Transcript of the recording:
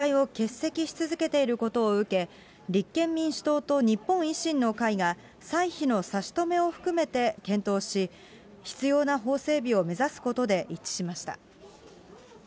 ＮＨＫ党のガーシー参議院議員が、国会を欠席し続けていることを受け、立憲民主党と日本維新の会が、歳費の差し止めを含めて検討し、必要な法整備を目指すことで一致しました。